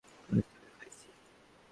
আজ তোরে খাইছি।